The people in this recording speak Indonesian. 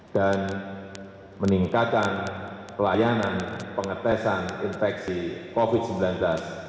dan meningkatkan pelayanan pengetesan infeksi covid sembilan belas